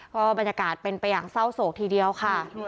ก็บรรยากาศเป็นไปอย่างเศร้าโศกทีเดียวค่ะ